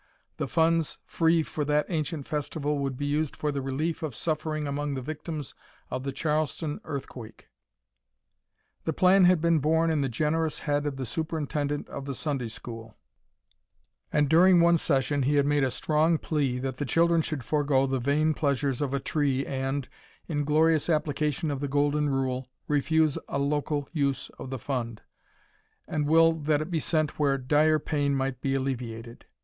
The funds free for that ancient festival would be used for the relief of suffering among the victims of the Charleston earthquake. The plan had been born in the generous head of the superintendent of the Sunday school, and during one session he had made a strong plea that the children should forego the vain pleasures of a tree and, in glorious application of the Golden Rule, refuse a local use of the fund, and will that it be sent where dire pain might be alleviated.